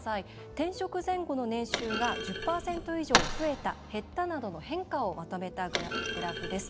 転職前後の年収が１０％増えた、減ったなどの変化をまとめたグラフです。